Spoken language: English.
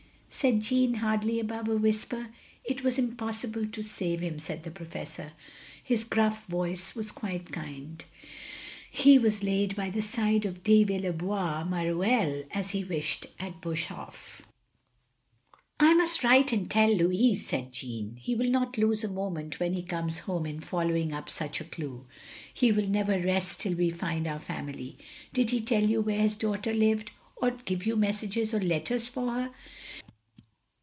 said Jeanne, hardly above a whisper. "It was impossible to save him," saLid the Professor. His gruff voice was quite kind. " He was laid by the side of de Villebois Mareuil, as he wished, at Boshof ." 222 THE LONELY LADY "I must write and tell Louis," said Jeanne.' "He will not lose a moment, when he comes home, in following up such a clue. We will never rest till we find our family. Did he tell you where his daughter lived? or give you messages or letters for her?"